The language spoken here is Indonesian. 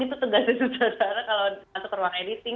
itu tegasan tegasan kalau masuk ruang editing